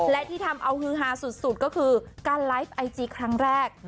และที่ทำเอาฮือฮาสุดก็คือการไลฟ์ไอจีครั้งแรก